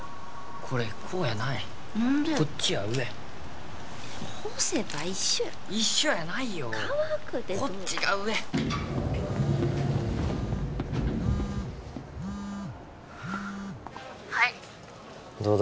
これこうやない何でこっちや上干せば一緒や一緒やないよ乾くてこっちが上☎はいどうだ？